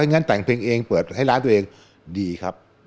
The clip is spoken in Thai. งั้นแต่งเพลงเองเปิดให้ร้านตัวเองดีครับ